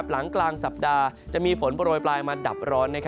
หลังกลางสัปดาห์จะมีฝนโปรยปลายมาดับร้อน